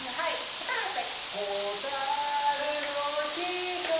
『蛍の光』。